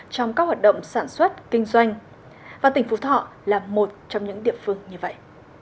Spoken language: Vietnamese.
trong các hoạt động sản xuất kinh doanh và tỉnh phú thọ là một trong những địa phương như vậy